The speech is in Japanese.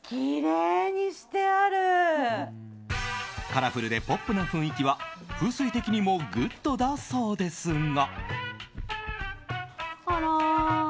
カラフルでポップな雰囲気は風水的にもグッドだそうですが。